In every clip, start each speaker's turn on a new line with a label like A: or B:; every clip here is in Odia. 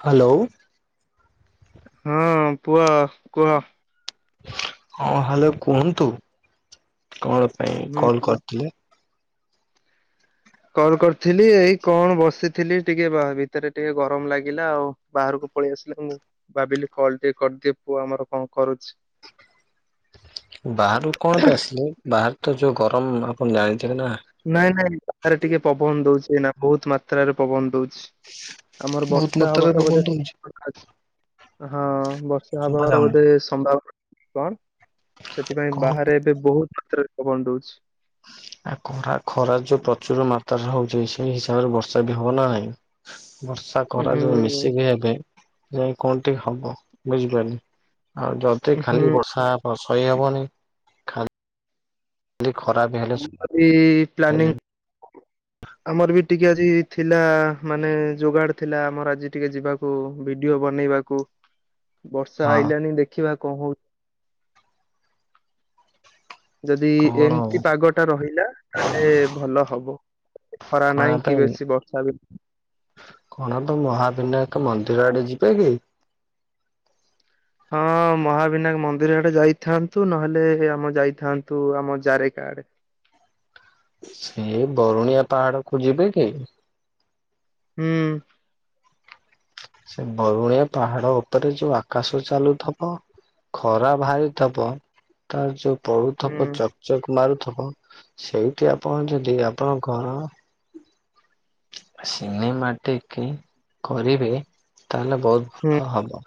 A: ହ୍ୟାଲୋ।
B: ହଁ ପୁଅ କୁହ।
A: ହଁ ହ୍ୟାଲୋ କୁହନ୍ତୁ କଣ? ପାଇଁ
B: ହୁଁ।
A: କଲ
B: ହୁଁ
A: କରିଥିଲେ?
B: କଲ କରିଥିଲି ଏଇ କଣ ବସିଥିଲି ଟିକେ ଭିତରେ ଟିକେ ଗରମ ଲାଗିଲା ଆଉ ବାହାରକୁ ପଳେଇ ଆସିଲେ ମୁଁ ଭାବିଲି କଲ ଟିକେ କରିଦିଏ ପୁଅ ଆମର କଣ କରୁଚି।
A: ବାହାରକୁ କଣ ପାଇଁ ଆସିଲେ ବାହରେ ତ ଯୋଉ ଗରମ ଆପଣ ଜାଣିଥିବେ ନା।
B: ନାଇଁ ନାଇଁ ବାହାରେ ଟିକେ ପବନ ଦଉଛି ଏଇନା ବହୁତ୍ ମାତ୍ରାରେ ପବନ ଦଉଛି। ଆମର
A: ବହୁତ
B: ବର୍ଷା
A: ମାତ୍ରାରେ
B: ହବାର
A: ପବନ
B: ବୋଧେ
A: ଦଉଛି
B: ହଁ ବର୍ଷା
A: ଶୁଭା
B: ହବାର
A: ଯାଉନି
B: ବୋଧେ ସମ୍ଭାବନା ଅଛି କଣ ସେଥିପାଇଁ
A: କଣ
B: ବାହାରେ ଏବେ ବହୁତ୍ ମାତ୍ରା ରେ ପବନ ଦଉଛି।
A: ଆ ଖରା ଖରା ଯୋଉ ପ୍ରଚୁର ମାତ୍ରାରେ ହଉଛି ସେଇ ହିସାବରେ ବର୍ଷା ବି ହବ ନା ନାହିଁ। ବର୍ଷା ଖରା ଯୋଉ
B: ହୁଁ
A: ମିଶିକି ହେବେ ଯାଇ କଣ ଟିକେ ହବ। ବୁଝିପାରିଲି ଆଉ ଯଦି
B: ହୁଁ
A: ଖାଲି ବର୍ଷା ସହି ହବନି। ଖାଲି ଖରା ବି ହେଲେ
B: ଆମର ବି
A: ସହି
B: ପ୍ଲାନିଂ
A: ହବନି।
B: ଆମର ବି ଟିକେ ଆଜି ଥିଲା ମାନେ ଯୋଗାଡ଼ ଥିଲା ଆମର ଆଜି ଟିକେ ଯିବାକୁ ଭିଡିଓ ବନେଇବାକୁ। ବର୍ଷା
A: ହଁ
B: ଆଇଲାଣି ଦେଖିବା କଣ ହଉଛି। ଯଦି
A: କଣ
B: ଏମିତି ପାଗ ଟା ରହିଲା ତାହେଲେ ଭଲ ହବ। ଖରା ନାଇଁ
A: କୋଣାର୍କ
B: କି ବେଶୀ ବର୍ଷା ବି
A: କୋଣାର୍କ ମହାବିନାୟକ ମନ୍ଦିର ଆଡ଼େ ଯିବେ କି?
B: ହଁ ମହାବିନାୟକ ମନ୍ଦିର ଆଡ଼େ ଯାଇଥାନ୍ତୁ ନହେଲେ ଆମ ଯାଇଥାନ୍ତୁ ଆମ ଜାରେକା। ଆଡ଼େ।
A: ସେ ବରୁଣିଆ ପାହାଡ଼ କୁୁ ଯିବେ କି?
B: ହୁଁ।
A: ସେ ବରୁଣିଆ ପାହାଡ଼ ଉପରେ ଯୋଉ ଆକାଶ ଚାଲୁଥବ। ଖରା ଭାରିଥବ ତାର ଯୋଉ
B: ହୁଁ
A: ପଡୁଥବ ଚକ୍ ଚକ୍ ମାରୁଥବ ସେଇଠି ଆପଣ ଯଦି ଆପଣ [unintelligible] ସିିନେମା ଟିକି କରିବେ ତାହେଲେ ବହୁତ୍
B: ହୁଁ
A: ଭଲ ହବ।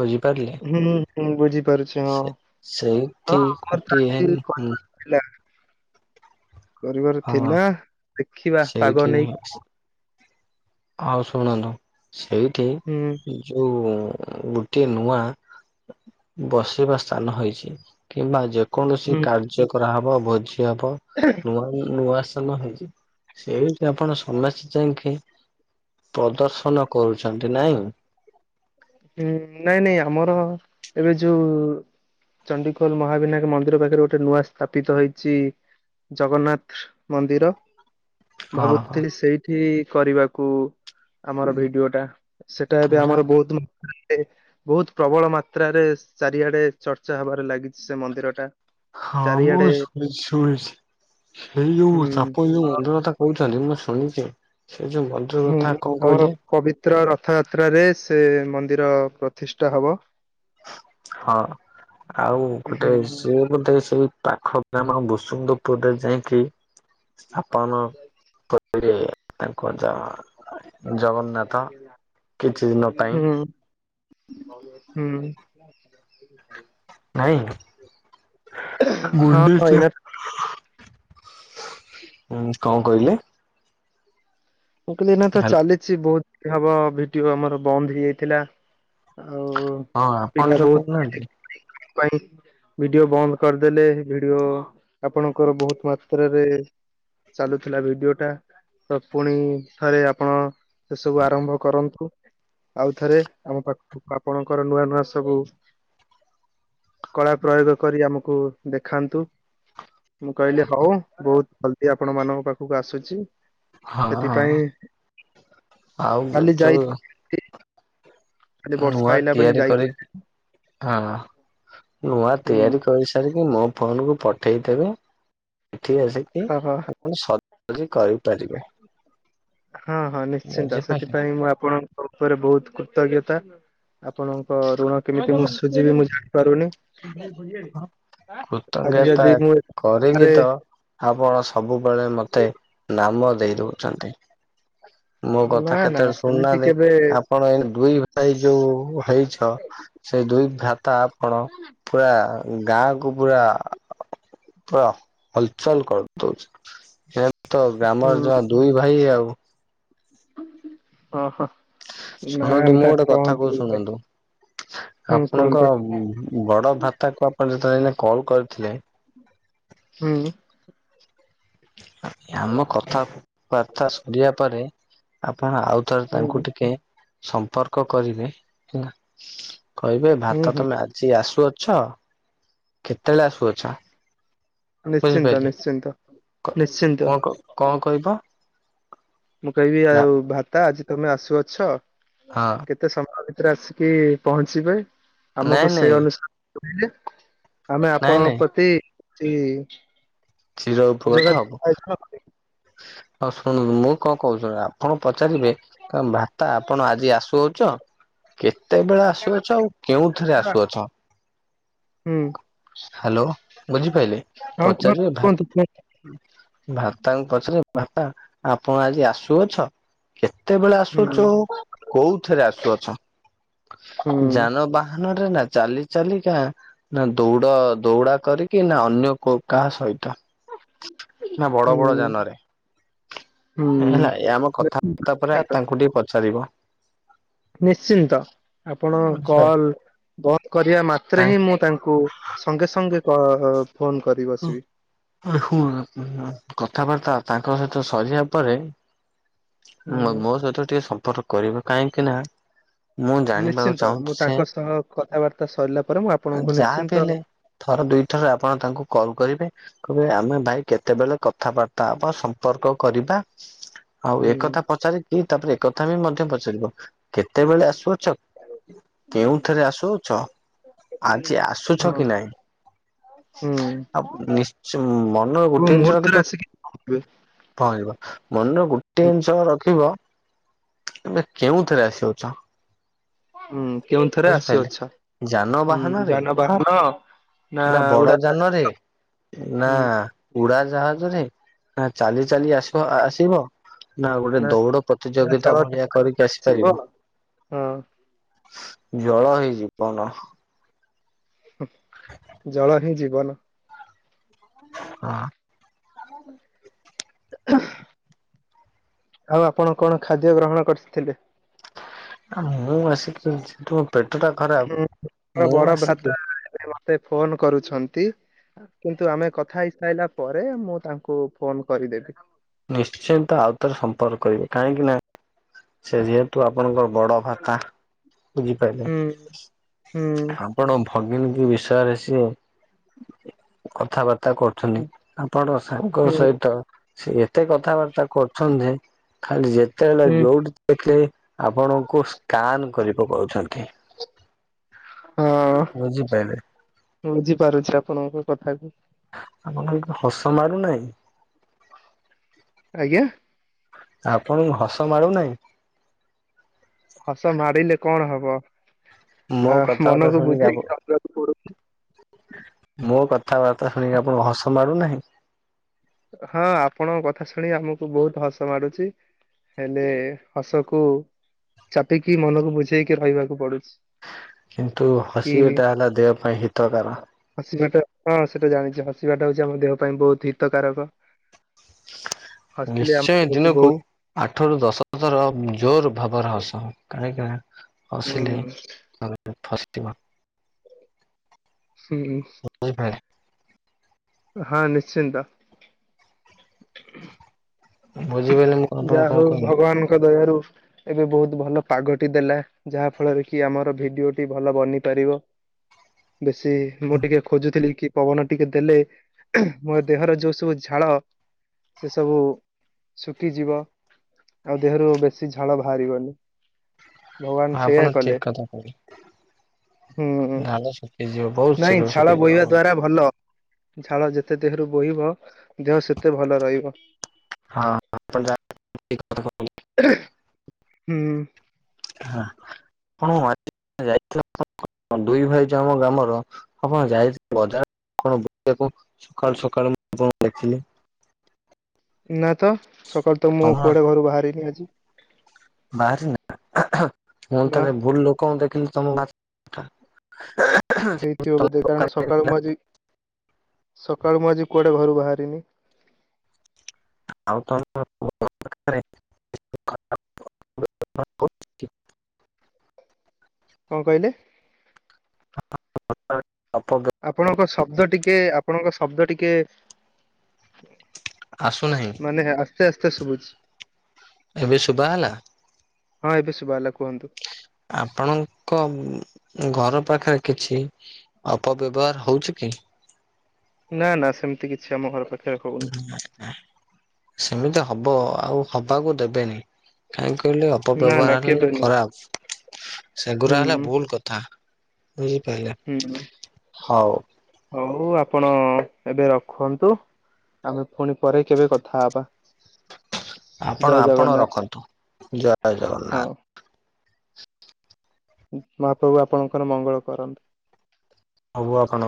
A: ବୁଝି ପାରିଲେ?
B: ମୁଁ ବୁଝିପାରୁଛି ହଁ ହଁ
A: ସେଇଠି
B: ଆମର [unintelligible]
A: ଗୋଟିଏ ହୁଁ
B: କରିବାର ଥିଲା। କରିବାର
A: ହଁ
B: ଥିଲା ଦେଖିବା ପାଗ
A: ସେଇଠି
B: ନେଇକି
A: ଆଉ ଶୁଣନ୍ତୁ ସେଇଠି
B: ହୁଁ
A: ଯୋଉ ଗୋଟିଏ ନୂଆ ବସିବା ସ୍ଥାନ ହେଇଛି କିମ୍ବା ଯେ କୌଣସି
B: ହୁଁ
A: କାର୍ଯ୍ୟ କରାହବ ଭୋଜି ହବ ନୂଆ ନୂଆ ସ ସ୍ତାନହେଇଛି ସେଠି ଆପଣ ସମେସ୍ତ ଖି ପ୍ରଦର୍ଶନ କରୁଛନ୍ତି ନାଇଁ
B: ହୁଁ ନାଇଁ ନାଇଁ ଆମର ଏବେ ଯୋଉ ଚଣ୍ଡିଖୋଲ ମହାବିନାୟ ମନ୍ଦିର ପାଖରେ ଗୋଟେ ନୂଆ ସ୍ଥାପିତ ହେଇଛି। ଜଗନ୍ନାଥ ମନ୍ଦିର
A: ହଁ ହଁ
B: ଭାବୁଥିଲି ସେଇଠି କରିବାକୁ ଆମର ଭିଡିଓ ଟା ସେଟା ଏବେ
A: ପୁରା
B: ଆମର ବହୁତ ଲୋ ବହୁତ ପ୍ରବଳ ମାତ୍ରାରେ ଚାରିଆଡେ ଚର୍ଚ୍ଚା ହବାରେ ଲାଗିଛି ସେ ମନ୍ଦିର ଟା
A: ହଁ
B: ଚାରିଆଡେ
A: ମୁହୁ ଶ ଶଇଛି ସେଇ ଯୋଉ
B: ହୁଁ
A: ସାପ ଯୋଉ ମଧୁର ତା କହୁଥାନ୍ତି ମୁଁ ଶୁଣିଛି ସେ ଯୋଉ ମନ୍ଦିର
B: ହୁଁ
A: କଥା କଣ
B: ଆମର
A: କହିଲେ
B: ପବିତ୍ର ରଥ ରଥଯାତ୍ରାରେ ସେ ମନ୍ଦିର ପ୍ରତିଷ୍ଠା ହବ।
A: ହଁ ଆଉ
B: ହୁଁ
A: ଗୋଟେ ସିଏ ବୋଧେ ସେଇ ପାଖ ବା ସୁନ୍ଦପୁରରେ ଯାଇକି ସ୍ଥାପନ ସେରେ ତାଙ୍କ ଯା ଦିନ
B: ହୁ
A: ପାଇଁ
B: ହୁଁ [inaudible]
A: ନାଇଁ
B: ହଁ
A: ଗୁଡୁ
B: ହଁ
A: ହୁଁ
B: ଏଇନା
A: କଣ କହିଲେ
B: ମୁଁ କହିଲି ନା ତ
A: ହାଲ୍
B: ଚାଲିଛି ବହୁତ ହବ ଭିଡିଓ ଆମର ବନ୍ଦ ହେଇଯାଇଥିଲା। ଆଉ
A: ହଁ ଆପଣ
B: ପିତା
A: ଯୋଉ
B: ବହୁତ
A: କହୁନାହାନ୍ତି
B: ପାଇଁ ଭିଡିଓ ବନ୍ଦ କରିଦେଲେ ଭିଡିଓ ଆପଣଙ୍କର ବହୁତ ମାତ୍ରରେ ଚାଲୁଥିଲା ଭିଡିଓ ଟା ସ ପୁଣି ଥରେ ଆପଣ ସେସବୁ ଆରମ୍ଭ କରନ୍ତୁ। ଆଉଥରେ ଆମ ପାଖକୁ କୁ ଆପଣଙ୍କର ନୂଆ ନୂଆ ସବୁ କଳା ପ୍ରୟୋଗ କରି ଆମକୁ ଦେଖାନ୍ତୁ। ମୁଁ କହିଲି ହଉ ବହୁତ ଜଲଦି ଆପଣ ମାନଙ୍କ ପାଖକୁ ଆସୁଛି।
A: ହଁ
B: ସେଥିପାଇଁ
A: ହଁ ଆଉ
B: କାଲି ଯାଇ
A: ଯୋଉ
B: ବର୍ଷା
A: ନୂଆ
B: ଆଇଲା ବୋଲି
A: ତିଆରି
B: ଯାଇ
A: କରିି ହଁ ନୂଆ
B: ହୁଁ
A: ତିଆରି କରିସାରିକି ମୋ ଫୋନକୁୁ ପଠେଇଦେବେ ଏଠି ଆସିକି
B: ହଁ ହଁ
A: ଆପଣ ସଜି କରିପାରିବେ
B: ହଁ ହଁ ନିଶ୍ଚିନ୍ତ
A: ବୁଝିପାରିଲେ
B: ସେଥିପାଇଁ ମୁଁ ଆପଣଙ୍କ ଉପରେ ବହୁତ କୁ କୃତଜ୍ଞତା ଆପଣଙ୍କ ଋଣ କେମିତି
A: ହଉ
B: ମୁଁ ସୁଝିବି ମୁଁ ଜାଣି ପାରୁନି। ଆଜି
A: କୃତଜ୍ଞତା
B: ଯଦି
A: କରିକି
B: ମୁଁରେ
A: ତ ଆପଣ ସବୁବେଳେ ମତେ ନାମ ଦେଇ ଦଉଛନ୍ତି। ମୋ
B: ନା
A: କଥା
B: ନା
A: କେତେବେଳେ
B: ସେମିତି
A: ଶୁଣୁନାହାନ୍ତି
B: କେବେ
A: ଆପଣ ଏ ଦୁଇ ଭାଇ ଯୋଉ ହେଇଛ ସେଇ ଦୁଇ ଭ୍ରାତା ଆପଣ ପୁରା ଗାଁ କୁ ପୁରା ପୁରା ହଲଚଲ କରି ଦଉଛି ତ
B: ହୁଁ
A: ଗ୍ରାମର ଜ ଦୁଇ ଭାଇ ଆଉ।
B: ହହୋ ନା
A: ଶୁଣନ୍ତୁ ମୁଁ
B: ନା
A: ଗୋଟେ କଥା
B: କହନ୍ତୁ
A: କହୁଛି
B: ମତେ
A: ଶୁଣନ୍ତୁ। ଆପଣଙ୍କ ବଡ ଭ୍ରାତା କୁ ଆପଣ ଯେତେବେଳେ କଲ କରିଥିଲେ।
B: ହୁଁ
A: ଆମ କଥାବାର୍ତ୍ତା ଶୁରିବା ପରେ ଆପା ଅଣ ଆଉଥରେ
B: ହୁଁ
A: ତାଙ୍କୁ ଟିକେ ସମ୍ପର୍କ କରିବେ ହେଲା। କହିବେ
B: ହୁଁ
A: ଭ୍ରାତା
B: ହୁଁ
A: ତମେ ଆଜି ଆସୁ ଅଛ କେତେବେଳେ ଆସୁ ଅଛ?
B: ନିଶ୍ଚିନ୍ତ ନିଶ୍ଚିନ୍ତ ନିଶ୍ଚିନ୍ତ
A: କଣ କଣ କଣ କହିବ?
B: ମୁଁ କହିବି
A: ନା
B: ଆଉ ଭ୍ରାତା ଆଜି ତମେ ଆସୁ ଅଛ
A: ହଁ
B: କେତେ ସମୟ ରେ ଆସିକି ପହଞ୍ଚିବେ
A: ନାଇଁ
B: ଆମକୁ ସେଇ
A: ନାଇଁ
B: ଅନୁସାରେ କହିବେ ଆମେ
A: ନାଇଁ
B: ଆପଣଙ୍କ
A: ନାଇଁ
B: ପ୍ରତି ଚି
A: ଚିରୋଉପକୃତ ହବୁ। ହଁ ଶୁଣୁ ମୁଁ କଣ କହୁଛି ଆପଣ ପଚାରିବେ ଭ୍ରାତା ଆପଣ ଆଜି ଆସୁ ଛ କେତେବେଳେ ଆସୁଅଛ ଆଉ କେଉଁଥିରେ ଆସୁଅଛ।
B: ହୁଁ
A: ହାଲୋ ବୁଝିପାଇଲେ
B: ହଁ କୁହନ୍ତୁ
A: ପଚାରିବେ
B: କୁହନ୍ତୁ କୁହନ୍ତୁ
A: ଭ୍ରାତାକୁଂ ପଚାରିରେ ଭ୍ରାତା ଆପଣ ଆଜି ଆସୁଅଛ କେ କେତେବେଳେ ଆସୁଅଛ
B: ହୁଁ
A: ଆଉ କୋଉଥିରେ ଆସୁଅଛ
B: ହୁଁ
A: ଯାନବାହାନ ନା ଚାଲି ଚାଲି କା ନା ଦୌଡ ଦୌଡା କରିକି ନା ଅନ୍ୟ କ କାହା ସହିତ। ନା ବଡ
B: ହୁଁ
A: ବଡ ଯାନରେ
B: ହୁଁ
A: ହେଲା ଆମ କଥାବାର୍ତ୍ତା ପରେ ତାଙ୍କୁ ଟିକେ ପଚାରିବ।
B: ନିଶ୍ଚିନ୍ତ ଆପଣ
A: ଆଚ୍ଛା।
B: କଲ ବନ୍ଦ କରିବା ମାତ୍ରେ ହିଁ ମୁଁ ତାଙ୍କୁ ସଙ୍ଗେ ସଙ୍ଗେ କ ଫୋନ କରି ବସିବି।
A: ହୁ କଥାବାର୍ତ୍ତା ତାଙ୍କ ସହିତ ସରିବା ପରେ
B: ହୁଁ
A: ମୋ ସହିତ ଟିକେ ସମ୍ପର୍କ କରିବା କାହିଁକି ନା ମୁଁ ଜାଣିବାକୁ
B: ନିଶ୍ଚିନ୍ତ
A: ଚାହୁଁଛି
B: ମୁଁ
A: ସେ
B: ତାଙ୍କ ସହ କଥାବାର୍ତ୍ତା ସରିଲା ପରେ ମୁଁ ଆପଣଙ୍କୁ
A: ଯାହା ବି
B: ନିଶ୍ଚିନ୍ତ
A: ହେଲେ ଥର ଦୁଇଥର ଆପଣ ତାଙ୍କୁ କ ଲ କରିବେ କହିବେ ଆମେ ଭାଇ କେତେବେଳେ କଥାବାର୍ତ୍ତା ହବା ସମ୍ପର୍କ କରିବା। ଆଉ
B: ହୁଁ
A: ଏକଥା ପଚାରିକି ତାପରେ ଏକଥା ବି ମଧ୍ୟ ପଚାରିବ କେତେବେଳେ ଆସୁଅ ଛ କେଉଁଥୀରେ ଆସୁଅଛ ଆଜି ଆସୁଛ
B: ହଁ
A: କି ନାଇଁ।
B: ହୁଁ।
A: ଆଉ ନି୍ଶଚ ମନର
B: କୋଉ
A: ଗୋଟିଏ ଜିନିଷର
B: ମୁହୂର୍ତ୍ତରେ ଆସିକି ପହଞ୍ଚିବେ
A: ହେଇଯିବ ମନେ ଗୋଟିଏ
B: ହୁଁ
A: ଜିନିଷ ରଖିବ ତମେ କେଉଁଥିରେ ଆସୁଅଛ।
B: ହୁଁ କେଉଁଥିରେ ଆସୁ ଅଛ ହୁଁ
A: ଯାନବାହାନରେ
B: ଯାନବାହାନ
A: ନା ବଡ ଯାନରେ, ନା
B: ହୁଁ
A: ଉଡା ଜାହାଜରେ ନା ଚାଲି ଚାଲି ଆସିବ ଆସିବ ନା ଗୋଟେ ଦୌଡ
B: ନା
A: ପ୍ରତିଯୋଗିତା
B: ଜଳ
A: ଭଳିଆ କରିକି
B: ଥିବ
A: ଆସିପାରିବ।
B: ହଁ
A: ଜଳ ହିଁ ଜୀବନ।
B: ଜଳ ହିଁ ଜୀବନ। [inaudible] ଆଉ ଆପଣ କଣ ଖାଦ୍ୟ ଗ୍ରହଣ କରିଥିଲେ।
A: ମୁଁ ଆସିକି ବସିିଛି।
B: ହୁଁ ମ ବଡ ଭ୍ରାତା ଏବେ ମତେ ଫୋନ କରୁଛନ୍ତି। କିନ୍ତୁ ଆମେ କଥା ହେଇସାଇଲା ପରେ ମୁଁ ତାଙ୍କୁ ଫୋନ କରିଦେବି।
A: ନିଶ୍ଚିନ୍ତ ଆଉଥରେ ସମ୍ପର୍କ କରିବେ କାହିଁକି ନା ସେ ଯେହେତୁ ଆ ଆପଣଙ୍କ ବଡ ଭ୍ରାତା ବୁଝିପାରିଲେ
B: ହୁଁ ହୁଁ
A: ଆପଣ ଭଗିନୀ ବିଷୟରେ ସିଏ କଥାବାର୍ତ୍ତା କରୁଛନ୍ତି ଆପଣଙ୍କ ସାଙ୍ଗ
B: ହୁଁ
A: ସହିତ ସେ ଏତେ କଥାବାର୍ତ୍ତା କରୁଛନ୍ ଯେ ଖାଲି ଯେ ଯେତେବେଳେ
B: ହୁଁ
A: ଯୋଉଠି ଦେଖିଲେ ଆପଣଙ୍କୁ ସ୍କାନ କରି ପକଉଛନ୍ତି। ବୁଝିପାରିଲେ
B: ହଁ ବୁଝିପାରୁଛି ଆପଣଙ୍କ କଥାକୁ।
A: ଆପଣଙ୍କୁ ହସ ମାଡୁନାହିଁ।
B: ଆଜ୍ଞା।
A: ଆପଣଙ୍କୁ ହସ ମାଡୁନାହିଁ।
B: ହସ ମାଡିଲେ କଣ ହବ?
A: ମୋ
B: ଆ
A: କଥାବାର୍ତ୍ତା
B: ମନକୁ
A: ଶୁଣିକି ଆପ
B: ବୁଝେଇକି ହସିବାକୁ ପଡୁଛି।
A: ମୋ କଥାବାର୍ତ୍ତା ଶୁଣିକି ଆପଣଙ୍କୁ ହସ ମାଡ଼ୁନାହିଁ।
B: ହଁ ଆପଣଙ୍କ କଥା ଶୁଣି ଆମକୁ ବହୁତ ହସ ମାଡ଼ୁଛି। ହେଲେ ହସକୁୁ ଚାପିକି ମନକୁ ବୁଝେଇକି ରହିବାକୁ ପଡ଼ୁଛି।
A: କିନ୍ତୁ ହସିବାଟା ହେଲା ଦେହ ପାଇଁ ହିତକାର।
B: ହସିବାଟା ହଁ ସେଟା ଜାଣିଛି ହସିବାଟା ହେଉଛି ଆମ ଦେହ ପାଇଁ ବହୁତ ହିତକାରକ। ହସିଲେ ଆମ
A: ନିଶ୍ଚୟ
B: ଦେହକୁ
A: ଦିନକୁ
B: ବହୁତ
A: ଆଠ ରୁ ଦଶ ଥ ର ଜୋର୍ ଭାବରେ ହସ କାହିଁକି ନା ହସିଲେ
B: ହୁଁ
A: ଫସି [inaudible]
B: ହୁଁ। ହଁ ନିଶ୍ଚିନ୍ତ
A: ବୁଝିପାରିଲେ ମୁଁ ଆପଣଙ୍କୁ
B: ଯାହା
A: କଣ
B: ହଉ
A: କହିଲି?
B: ଭଗବାନଙ୍କ ଦୟାରୁ। ଏବେ ବହୁତ ଭଲ ପାଗଟି ଦେଲା ଯାହା ଫଳରେ କି ଆମର ଭିଡିଓଟି ଭଲ ବନି ପାରିବ। ବେଶୀ ମୁଁ ଟିକେ ଖୋଜୁଥିଲି କି ପବନ ଟିକେ ଦେଲେ ମୋ ଦେହର ଯୋଉ ସବୁ ଝାଳ ସେ ସବୁ ଶୁଖିଯିବ ଆଉ ଦେହରୁ ବେଶୀ ଝାଳ ବାହାରିବନି। ଭଗବାନ ସେଇୟା
A: ଆପଣ ଠିକ
B: କଲେ।
A: କଥା କହିଲେ
B: ହୁଁ
A: ଧାନ ଶୁଖିଯିବ ବହୁତ
B: ନାଇଁ
A: ଶୀଘ୍ର
B: ଝାଳ
A: ଶୁଖିଯିବ
B: ବୋହିବା
A: ଆପଣ।
B: ଦ୍ଵାରା ଭଲ। ଝାଳ ଯେତେ ଦେହରୁ ବୋହିବ ଦେହ ସେତେ ଭଲ ରହିବ।
A: ହଁ [unintelligible]
B: ହୁଁ
A: ହୁଁ ମଝି- ରେ ଯାଇଥିଲି। ହଁ ଦୁଇ ଭାଇ ଯାଉ ଆମ ଗ୍ରାମର ଆପଣ ଯାଇ ବଜାର କଣ ବୁଲିବାକୁ ସକାଳୁ ସକାଳୁ ମୁଁ ଆପଣଙ୍କୁ ଦେଖିଲି।
B: ନା ତ ସକାଳୁ ତ ମୁଁ କୁଆଡେ ଘରୁ ବାହାରିନି ଆଜି।
A: ବାହାରି ନା ମୁୁଁ
B: ନା
A: ତାହଲେ ଭୁଲ ଲୋକଙ୍କୁ ଦେଖିଲି ତମ
B: ହେଇଥିବ ବୋଧେ କାରଣ ସକାଳୁ ମୁଁ ଆଜି। ସକାଳୁ ମୁଁ ଆଜି କୁଆଡେ ଘରୁ ବାହାରିନି।
A: ଆଉ ତ ଖଟ [unintelligible]
B: କଣ କହିଲେ?
A: [unintelligible]
B: ଆପଣଙ୍କ ଶବ୍ଦ ଟିକେ ଆପଣଙ୍କ ଶବ୍ଦ ଟିକେ।
A: ଆସୁନାହିଁ
B: ମାନେ ଆସ୍ତେ ଆସ୍ତେ ଶୁବୁଚି।
A: ଏବେ ଶୁବା ହେଲା।
B: ହଁ ଏବେ ଶୁବା ହେଲା କ
A: ଆପଣଙ୍କ। ଘର ପାଖରେ କିଛି ଅପବ୍ୟବହାର ହଉଛି କି?
B: ନା ନା ସେମିତି କିଛି ଆମ ଘର ପାଖରେ ହଉନି
A: ସେମିତି ହବ ଆଉ ହବାକୁ ଦେବେନି କାହିଁକି? ମୁଁ କହିଲି
B: ନା ନା
A: ଅପବ୍ୟବହାର
B: କେବେ
A: ହେଲେ
B: ନୁହଁ
A: ଖରାପ ସେଗୁରା ହେଲା
B: ହୁଁ
A: ଭୁଲ୍ କଥା। ବୁଝିପାରିଲେ
B: ହୁଁ
A: ହଉ
B: ହଉ ଆପଣ ଏବେ ରଖନ୍ତୁ। ଆମେ ପୁଣି ପରେ କେବେ କଥା ହବା। ଜୟ
A: ଆପଣ ଆପଣ
B: ଜଗନ୍ନାଥ
A: ରଖନ୍ତୁ ଜୟ
B: ହଁ
A: ଜଗନ୍ନାଥ।
B: ମହାପ୍ରଭୁ ଆପଣଙ୍କର ମଙ୍ଗଳ କରନ୍ତୁ।
A: ହବୁ ଆ କଣ